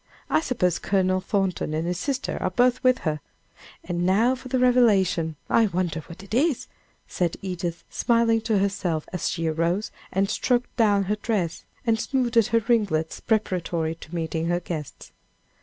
I suppose Colonel Thornton and his sister are both with her! And now for the revelation! I wonder what it is," said Edith, smiling to herself, as she arose and stroked down her dress, and smoothed her ringlets, preparatory to meeting her guests.